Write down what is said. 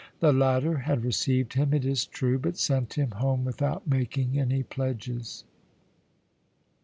The latter had received him, it is true; but sent him home without making any pledges.